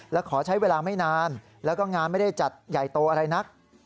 และขอใช้เวลาไม่นานแล้วก็งานไม่ได้จัดใหญ่โตอะไรนัก